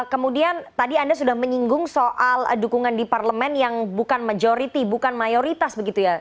kemudian tadi anda sudah menyinggung soal dukungan di parlemen yang bukan majority bukan mayoritas begitu ya